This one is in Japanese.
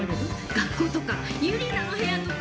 学校とかユリナの部屋とか。